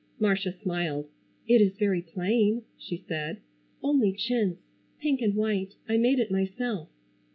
Marcia smiled. "It is very plain," she said, "only chintz, pink and white. I made it myself."